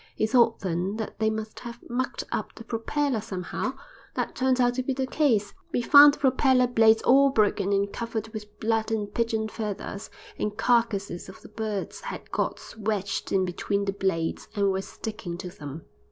He thought then that they must have mucked up the propeller somehow. That turned out to be the case. We found the propeller blades all broken and covered with blood and pigeon feathers, and carcasses of the birds had got wedged in between the blades, and were sticking to them."